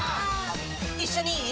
一緒にいい？